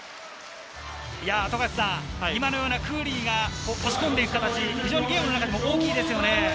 今のようなクーリーが押し込んでいった形、ゲームの中でも大きいですよね。